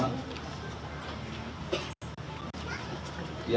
ini yang kedua